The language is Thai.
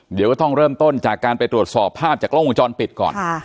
เดี๋ยวก็ต้องเริ่มต้นจากการไปตรวจสอบภาพจากกล้องวงจรปิดก่อน